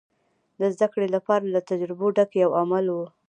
د زدهکړې لپاره له تجربو ډک یو عمل و.